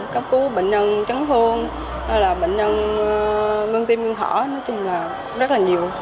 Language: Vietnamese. cấp cứu bệnh nhân chấn thương bệnh nhân ngân tim ngân thở nói chung là rất là nhiều